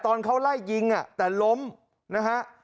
ตอนเขาไล่ยิงแต่ล้มนะฮะ